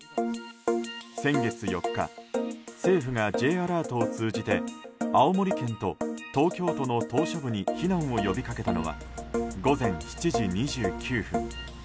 先月４日、政府がＪアラートを通じて青森県と東京都の島しょ部に避難を呼びかけたのは午前７時２９分。